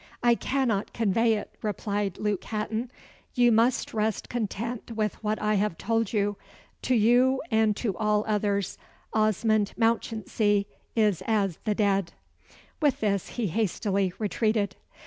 "I cannot convey it," replied Luke Hatton. "You must rest content with what I have told you. To you, and to all others, Osmond Mounchensey is as the dead." With this, he hastily retreated.